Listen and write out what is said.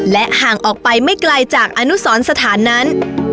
และห่างออกไปไม่ไกลจากอนุสรสถานนั้น